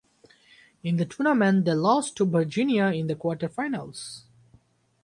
In the tournament they lost to Virginia in the Quarterfinals.